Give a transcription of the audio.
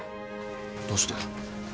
どうして？